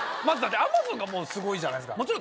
まずＡｍａｚｏｎがもうすごいじゃないですか。